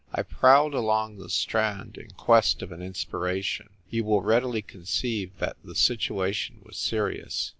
I PROWLED along the Strand, in quest of an inspiration. You will readil}' conceive that the situation was serious.